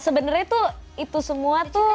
sebenarnya tuh itu semua